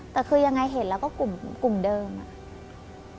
แต่คือยังไงเห็นแล้วก็กลุ่มเดิมอะ